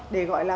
để gọi là